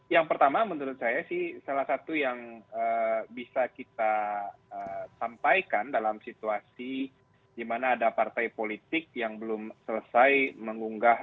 yang pertama menurut saya sih salah satu yang bisa kita sampaikan dalam situasi di mana ada partai politik yang belum selesai mengunggah